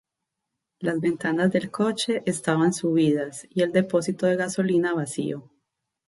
Las ventanas del coche estaba subidas y el depósito de gasolina vacío.